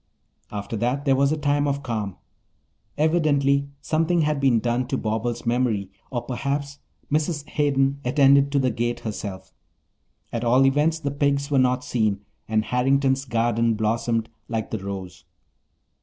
After that there was a time of calm. Evidently something had been done to Bobbles' memory or perhaps Mrs. Hayden attended to the gate herself. At all events the pigs were not seen and Harrington's garden blossomed like the rose.